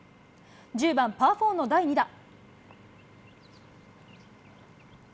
１０番パー４の第２打。